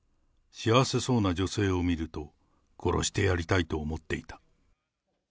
幸せそうな女性を見ると、殺してやりたいと思っていた。